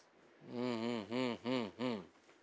うんうん。